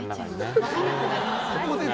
分からなくなりますよね。